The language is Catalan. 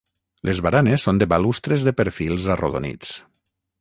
Les baranes són de balustres de perfils arrodonits.